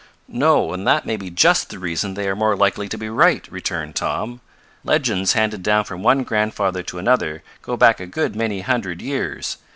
"No, and that may be just the reason they are more likely to be right," returned Tom. "Legends handed down from one grandfather to another go back a good many hundred years.